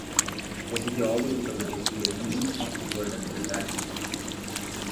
os ideólogos da burguesia também estão a favor da liberdade política